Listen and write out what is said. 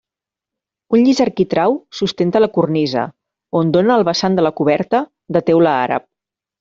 Un llis arquitrau sustenta la cornisa, on dóna el vessant de la coberta de teula àrab.